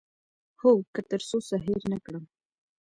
هو، که تر څو څه هیر نه کړم